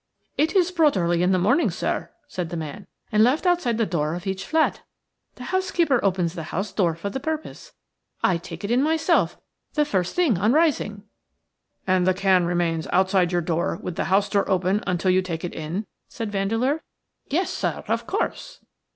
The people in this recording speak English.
"It is brought early in the morning, sir," said the man, "and left outside the door of each flat. The housekeeper opens the house door for the purpose. I take it in myself the first thing on rising." "And the can remains outside your door with the house door open until you take it in?" said Vandeleur. "Yes, sir, of course."